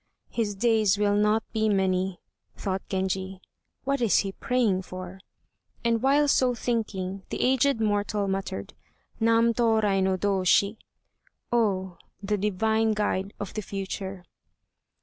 "His days will not be many," thought Genji, "what is he praying for?" And while so thinking, the aged mortal muttered, "Nam Tôrai no Dôshi" (Oh! the Divine guide of the future).